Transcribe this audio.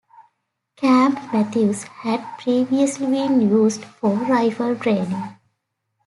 Camp Matthews had previously been used for rifle training.